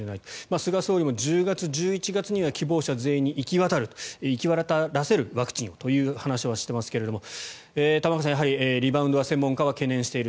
菅総理も１０月、１１月には希望者全員に行き渡らせる、ワクチンをという話はしていますが玉川さん、やはりリバウンドを専門家は懸念している。